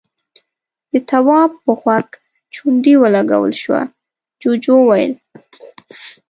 د تواب په غوږ چونډۍ ولګول شوه، جُوجُو وويل: